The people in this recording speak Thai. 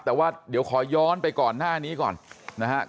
แต่ว่าเดี๋ยวขอย้อนไปก่อนหน้านี้ก่อนนะครับ